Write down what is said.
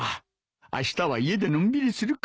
あしたは家でのんびりするか。